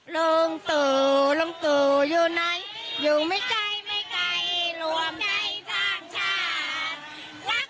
ลุงตู่ลุงตู่อยู่ไหนอยู่ไม่ไกลไม่ไกลรวมไทยสร้างชาติ